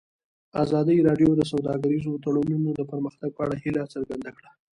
ازادي راډیو د سوداګریز تړونونه د پرمختګ په اړه هیله څرګنده کړې.